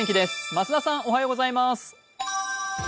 増田さん、おはようございます。